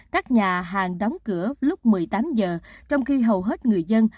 các nhà hàng đóng cửa lúc một mươi tám giờ trong khi hầu hết người dân